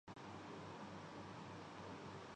اسے کسی بھی مشروب کے لئے استعمال کیا جاسکتا ہے ۔